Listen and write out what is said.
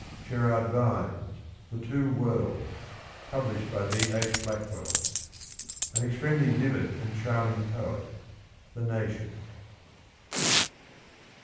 Sherard Vines. THE TWO WORLDS. Published by B. H. Blackwell. An extremely vivid and charming poet. — The Nation.